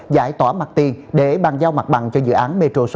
giải tỏa mặt tiền để bàn giao mặt bằng cho dự án metro số hai